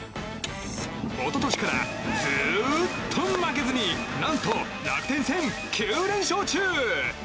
一昨年からずっと負けずに何と、楽天戦９連勝中！